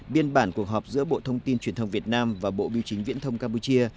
biên bản cuộc họp giữa bộ thông tin truyền thông việt nam và bộ biêu chính viễn thông campuchia